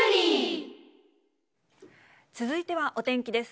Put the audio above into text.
続いてはお天気です。